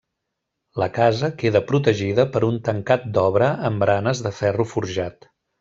La casa queda protegida per un tancat d'obra amb baranes de ferro forjat.